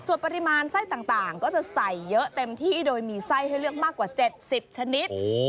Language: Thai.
ส่วนปริมาณไส้ต่างก็จะใส่เยอะเต็มที่โดยมีไส้ให้เลือกมากกว่า๗๐ชนิด